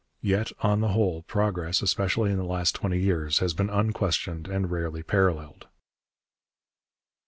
Yet, on the whole, progress, especially in the last twenty years, has been unquestioned and rarely paralleled.